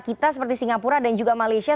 kita seperti singapura dan juga malaysia